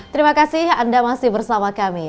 terima kasih anda masih bersama kami